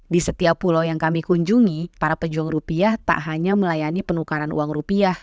di setiap pulau yang kami kunjungi para pejuang rupiah tak hanya melayani penukaran uang rupiah